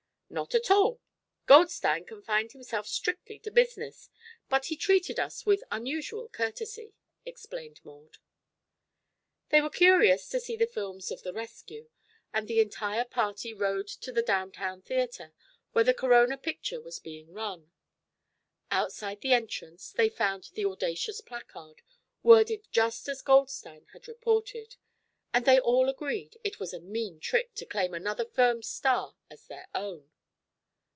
"Not at all. Goldstein confined himself strictly to business; but he treated us with unusual courtesy," explained Maud. They were curious to see the films of the rescue, and the entire party rode to the down town theatre where the Corona picture was being run. Outside the entrance they found the audacious placard, worded just as Goldstein had reported, and they all agreed it was a mean trick to claim another firm's star as their own.